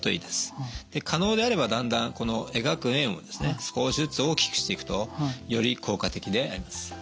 で可能であればだんだんこの描く円を少しずつ大きくしていくとより効果的であります。